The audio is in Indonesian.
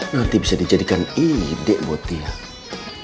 nanti bisa dijadikan ide buat dia